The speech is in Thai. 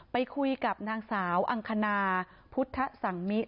ไปคุยกับนางสาวอังคณาพุทธสังมิ